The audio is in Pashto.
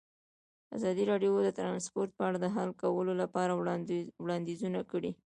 ازادي راډیو د ترانسپورټ په اړه د حل کولو لپاره وړاندیزونه کړي.